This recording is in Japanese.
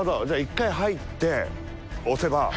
じゃあ１回入って押せば。